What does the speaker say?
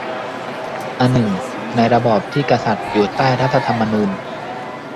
อนึ่ง ในระบอบที่กษัตริย์อยู่ใต้รัฐธรรมนูญ